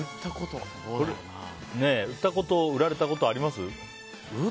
売ったこと、売られたことあります？